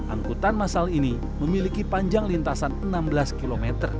angkutan masal ini memiliki panjang lintasan enam belas km